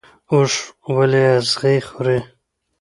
اوښ ولې اغزي خوري؟